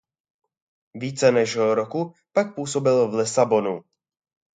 Více než rok pak působil v Lisabonu.